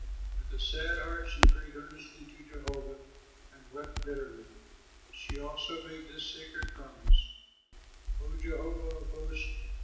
With a sad heart she prayed earnestly to Jehovah and wept bitterly. She also made this sacred promise: "O Jehovah of hosts!